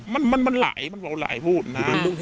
มันมันมันหลายมันเว้าหลายพูดนะ